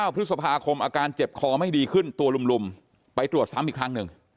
พฤษภาคมอาการเจ็บคอไม่ดีขึ้นตัวลุมไปตรวจซ้ำอีกครั้งหนึ่ง